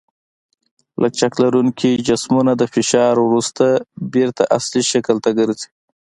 لچک لرونکي جسمونه د فشار وروسته بېرته اصلي شکل ته ګرځي.